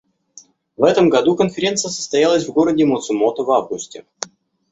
В этом году Конференция состоялась в городе Мацумото в августе.